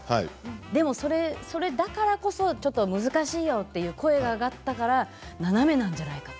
でも、それだからこそちょっと難しいよという声が上がったから斜めなんじゃないかと。